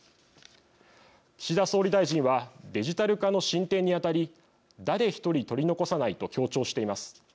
岸田総理大臣はデジタル化の進展にあたり誰一人取り残さないと強調しています。